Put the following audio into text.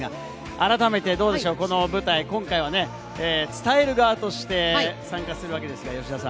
あらためて、この舞台、今回は伝える側として参加するわけですが。